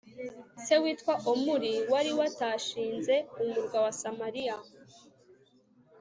Se witwaga Omuri wari watashinze umurwa wa Samariya